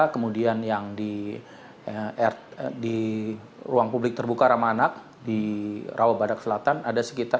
kemudian yang di ruang publik terbuka ramah anak di rawabadak selatan ada sekitar empat ratus delapan belas